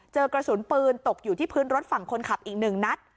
กระสุนปืนตกอยู่ที่พื้นรถฝั่งคนขับอีก๑นัด